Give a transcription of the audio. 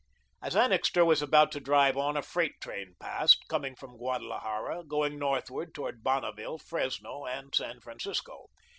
As Annixter was about to drive on, a freight train passed, coming from Guadalajara, going northward toward Bonneville, Fresno and San Francisco.